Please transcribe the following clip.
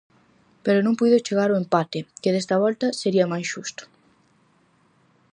Pero non puido chegar o empate, que desta volta, sería máis xusto.